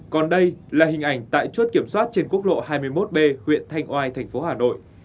còn đây là hình ảnh tại chốt kiểm soát trên quốc lộ hai mươi một b huyện thanh oai thành phố hà nội